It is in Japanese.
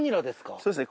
そうですね